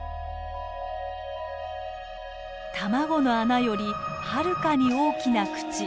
卵の穴よりはるかに大きな口。